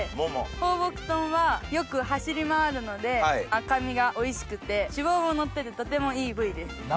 放牧豚はよく走り回るので赤身がおいしくて脂肪ものっててとてもいい部位です。